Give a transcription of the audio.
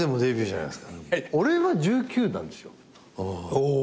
お。